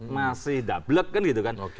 masih dablek kan gitu kan